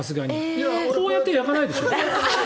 こうやって焼かないでしょ？